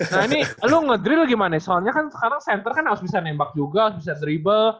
nah ini lo ngedrill gimana soalnya kan sekarang center kan harus bisa nembak juga harus bisa drible